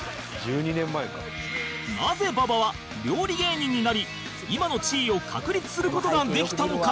なぜ馬場は料理芸人になり今の地位を確立する事ができたのか？